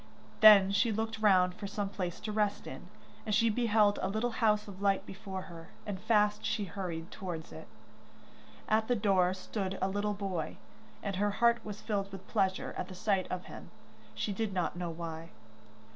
Then she looked round for some place to rest in, and she beheld a little house of light before her, and fast she hurried towards it. At the door stood a little boy, and her heart was filled with pleasure at the sight of him, she did not know why.